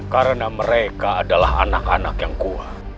karena mereka adalah anak anak yang kuat